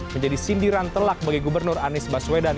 menjadi sindiran telak bagi gubernur anies baswedan